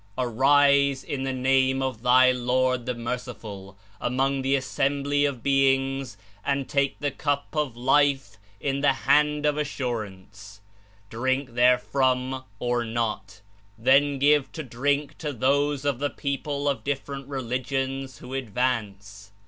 Arise In the Name of thy Lord, the Merciful, among the assembly of beings and take the Cup of Life in the hand of assurance; drink therefrom (or not) ; then give to drink to those of the people of (different) religions who advance.